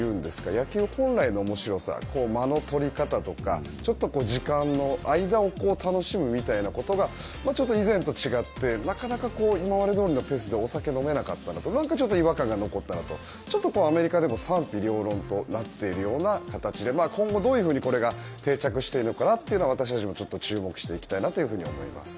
野球本来の面白さ間の取り方とか時間の間を楽しむようなことがちょっと以前と違ってなかなか今までどおりのペースでお酒を飲めなかったなと少し違和感が残ったなと、アメリカでも賛否両論となっている形で今後、どういうふうにこれが定着していくか私たちも注目していきたいと思います。